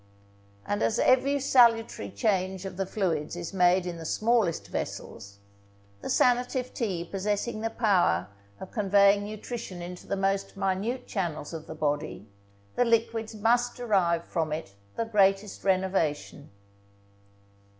And as every salutary change of the fluids is made in the smallest vessels, the sanative tea possessing the power of conveying nutrition into the most minute channels of the body, the liquids must derive from it the greatest renovation.